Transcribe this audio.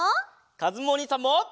かずむおにいさんも！